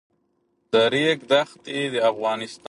د ریګ دښتې د افغانستان د تکنالوژۍ پرمختګ سره تړاو لري.